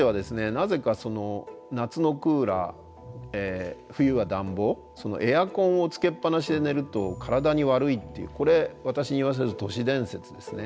なぜか夏のクーラー冬は暖房エアコンをつけっぱなしで寝ると体に悪いっていうこれ私に言わせると都市伝説ですね。